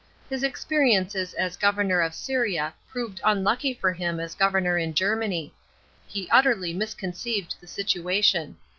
His experiences as governor of . yria proved unlucky for him as governor in Germany. He utterly misconceived the situation.